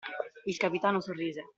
Il capitano sorrise.